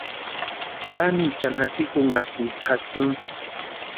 ¿Kániechani jatsikunhasïnki tʼatsíni?